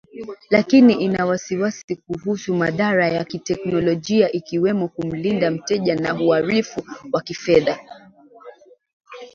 lakini ina wasiwasi kuhusu madhara ya kiteknolojia ikiwemo kumlinda mteja na uhalifu wa kifedha